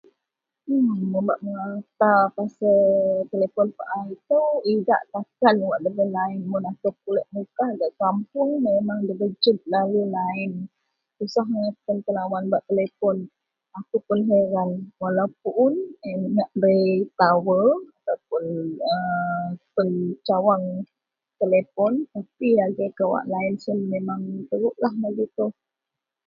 Mun ba mengata pasal telepon pak ito selalu idak takan debai line mun aku pulik mukah gak kampung memang debai jed lalu line susah angai tan tenawan bak telepon aku pun hairan walaupun bei tower cawangan telepon kalik line sien memang yian ji.